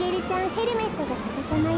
ヘルメットがさかさまよ。